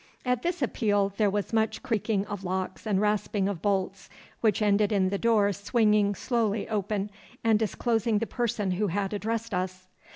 At this appeal there was much creaking of locks and rasping of bolts, which ended in the door swinging slowly open, and disclosing the person who had addressed us.